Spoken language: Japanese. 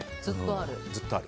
ずっとある。